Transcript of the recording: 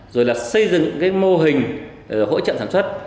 rồi là xây dựng mô hình hỗ trợ sản xuất